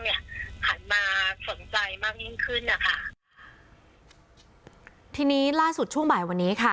หันมาสนใจมากยิ่งขึ้นนะคะทีนี้ล่าสุดช่วงบ่ายวันนี้ค่ะ